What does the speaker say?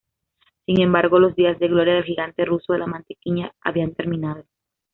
Sin embargo, los días de gloria del gigante ruso de la mantequilla habían terminado.